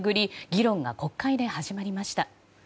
議論が国会で始まりました。